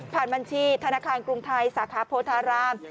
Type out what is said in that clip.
บัญชีธนาคารกรุงไทยสาขาโพธาราม